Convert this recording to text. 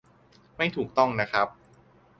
ไม่ถูกต้องนะครับ